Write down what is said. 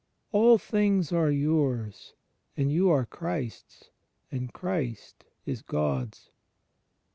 "all things are yours ... and you are Christ's: and Christ is God's."